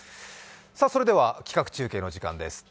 それでは、企画中継のお時間です。